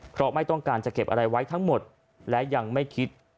เพราะไม่ต้องการจะเก็บอะไรไว้ทั้งหมดและยังไม่คิด